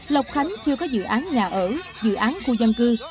lộc khánh chưa có dự án nhà ở dự án khu dân cư